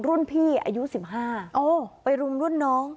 รุ่นพี่อายุ๑๕ไปรุมรุ่นน้อง